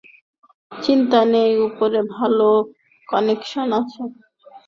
চিন্তা নেই, উপরে ভালো কানেকশন আছে।